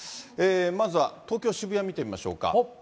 まずは、東京・渋谷見てみましょうか。